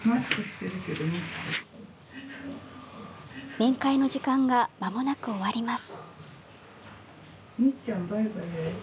面会の時間がまもなく終わります。